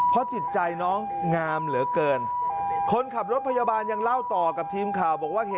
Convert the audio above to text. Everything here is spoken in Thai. เพราะจิตใจน้องงามเหลือเกินคนขับรถพยาบาลยังเล่าต่อกับทีมข่าวบอกว่าเห็น